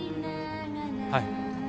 はい。